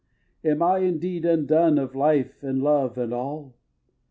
Am I indeed undone Of life and love and all?